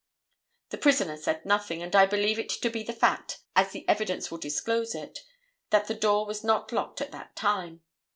The prisoner said nothing, and I believe it to be the fact, as the evidence will disclose it, that the door was not locked at that time.